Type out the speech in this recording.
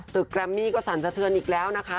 แกรมมี่ก็สั่นสะเทือนอีกแล้วนะคะ